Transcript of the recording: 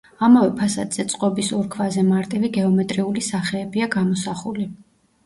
ამავე ფასადზე წყობის ორ ქვაზე მარტივი გეომეტრიული სახეებია გამოსახული.